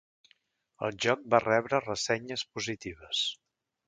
El joc va rebre ressenyes positives.